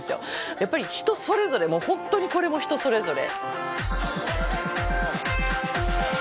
やっぱり人それぞれ本当にこれも人それぞれ。